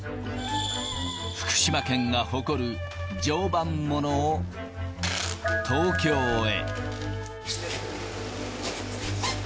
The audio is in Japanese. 福島県が誇る常磐ものを東京へ。